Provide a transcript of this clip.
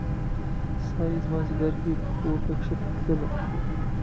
ساه يې زما ځیګر کې پورته کښته تلله